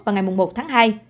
vào ngày một tháng hai